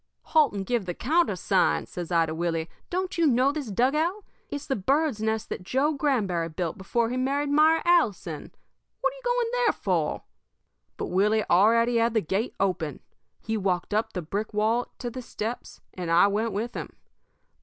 "'Halt and give the countersign,' says I to Willie. 'Don't you know this dugout? It's the bird's nest that Joe Granberry built before he married Myra Allison. What you going there for?' "But Willie already had the gate open. He walked up the brick walk to the steps, and I went with him.